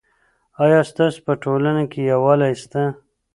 آیا ستاسو په ټولنه کې یووالی سته؟